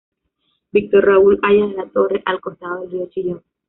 Víctor Raúl Haya de la Torre, al costado del río Chillón.